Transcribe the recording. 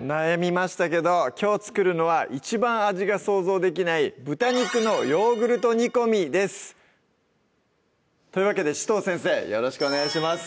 悩みましたけどきょう作るのは一番味が想像できない「豚肉のヨーグルト煮込み」ですというわけで紫藤先生よろしくお願いします